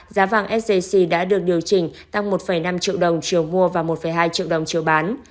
giá vàng sjc đã được điều chỉnh tăng một năm triệu đồng chiều mua và một hai triệu đồng chiều bán